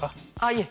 いえ！